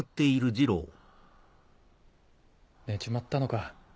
寝ちまったのか。